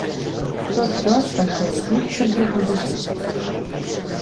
Tots dos van ser elegits sense oposició.